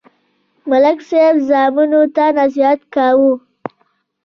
ملک صاحب زامنو ته نصیحت کاوه.